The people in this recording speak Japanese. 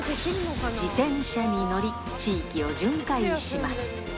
自転車に乗り、地域を巡回します。